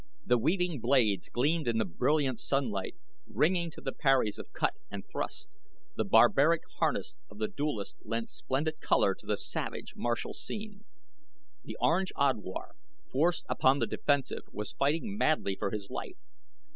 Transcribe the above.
The weaving blades gleamed in the brilliant sunlight, ringing to the parries of cut and thrust. The barbaric harness of the duelists lent splendid color to the savage, martial scene. The Orange Odwar, forced upon the defensive, was fighting madly for his life.